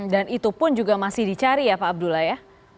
dan itu pun juga masih dicari ya pak abdullah ya